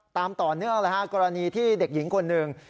ตามต่อเนื่องเลยฮะกรณีที่เด็กหญิงคนหนึ่ง